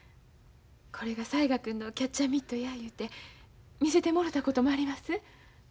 これが雑賀君のキャッチャーミットやいうて見せてもろたこともあります。